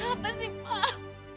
pak apa sih pak